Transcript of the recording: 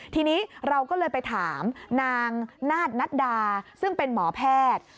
ทีนี้เราก็เลยไปถามนางนาฏนัดดาซึ่งเป็นหมอแพทย์